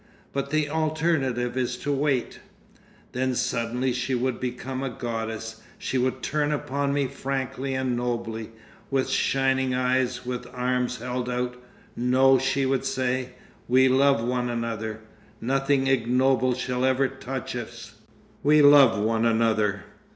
"But the alternative is to wait!" Then suddenly she would become a goddess. She would turn upon me frankly and nobly, with shining eyes, with arms held out. "No," she would say, "we love one another. Nothing ignoble shall ever touch us. We love one another.